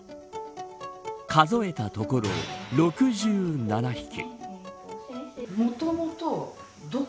数えたところ６７匹。